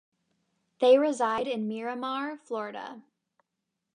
They reside in Miramar, Florida.